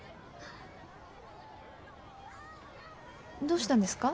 どうしたんですか？